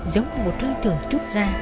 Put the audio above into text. giống một hơi thưởng trút ra